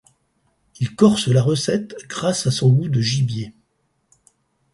Il corse la recette grâce à son goût de gibier.